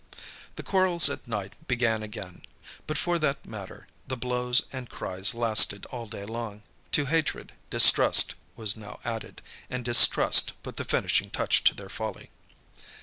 The quarrels at night began again. But for that matter, the blows and cries lasted all day long. To hatred distrust was now added, and distrust put the finishing touch to their folly.